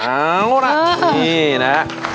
เอาล่ะนี่นะ